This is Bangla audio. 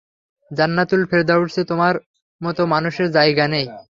জান্নাতুল ফেরদাউসে তোমার মতো মানুষের জায়গা নেই।